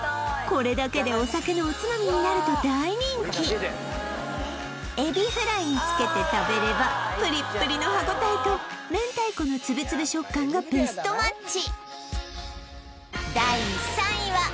これだけでお酒のおつまみになると大人気エビフライにつけて食べればぷりっぷりの歯ごたえと明太子のつぶつぶ食感がベストマッチ！